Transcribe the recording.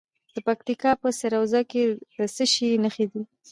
د پکتیکا په سروضه کې د څه شي نښې دي؟